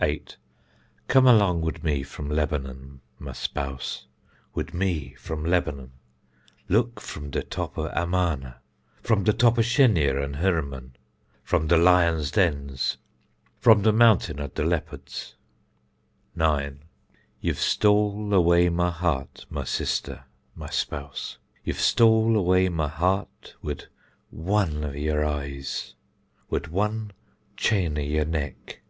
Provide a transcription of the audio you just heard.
8. Come along wud me from Lebanon, my spouse, wud me from Lebanon: look from de top of Amana, from de top of Shenir an Hermon, from de lions' dens, from de mountain of de leopards. 9. Ye've stole away my heart, my sister, my spouse. Ye've stole away my heart wud one of yer eyes, wud one chain of yer nick.